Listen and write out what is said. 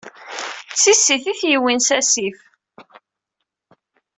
D tissit i t-yewwin s asif.